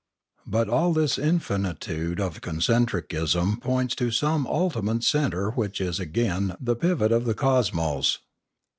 But all this infinitude of concentricism points to some ultimate centre which is again the pivot of the cosmos.